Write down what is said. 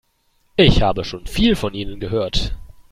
Ich habe schon viel von Ihnen gehört.